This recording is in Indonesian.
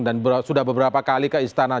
dan sudah beberapa kali ke istana